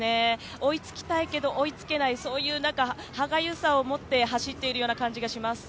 追いつきたいけど追いつけない、そういう歯がゆさを持って走っているような気がします。